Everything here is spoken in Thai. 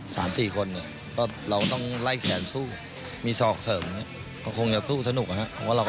สามสี่คนก็เราต้องไล่แขนสู้มีศอกเสริมก็คงจะสู้สนุกนะครับ